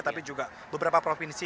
tapi juga beberapa provinsi